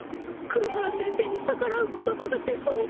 黒原先生に逆らう言葉が出そう！